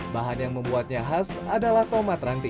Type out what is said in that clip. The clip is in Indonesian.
bahan yang membuatnya khas adalah tomat ranti